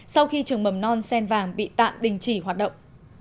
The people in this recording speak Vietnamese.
sau khi trường mầm non sen vàng bị tạm đình chỉ hoạt động